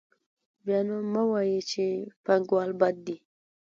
بیا نو مه وایئ چې پانګوال بد دي